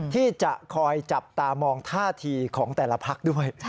ที่จะคอยจับตามองท่าทีของแต่ละพักด้วย